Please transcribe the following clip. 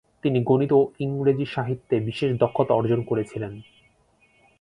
তিনি গণিত ও ইংরাজী সাহিত্যে বিশেষ দক্ষতা অর্জন করেছিলেন।